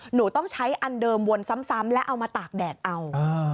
หนูต้องใช้อันเดิมวนซ้ำและเอามาตากแดดเอา